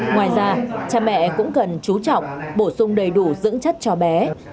ngoài ra cha mẹ cũng cần chú trọng bổ sung đầy đủ dưỡng chất cho bé